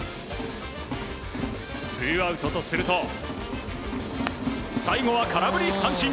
ツーアウトとすると最後は空振り三振。